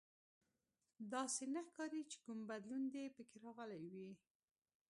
داسې نه ښکاري چې کوم بدلون دې پکې راغلی وي